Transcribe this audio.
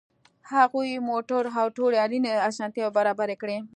هغوی موټر او ټولې اړینې اسانتیاوې برابرې کړې